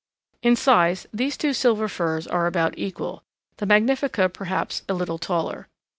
In size, these two Silver Firs are about equal, the magnifica perhaps a little the taller.